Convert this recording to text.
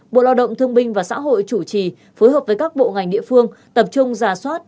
bộ lao động thương binh và xã hội chủ trì phối hợp với các bộ ngành địa phương tập trung giả soát